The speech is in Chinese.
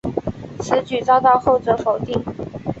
此举遭到后者否定。